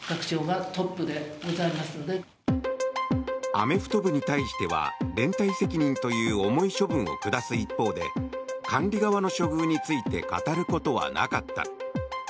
アメフト部に対しては連帯責任という重い処分を下す一方で管理側の処遇について語ることはなかった。